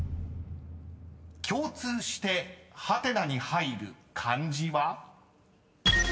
［共通してハテナに入る漢字は？］